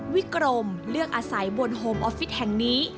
วิกรมเลือกอาศัยบนโฮมออฟฟิศแห่งนี้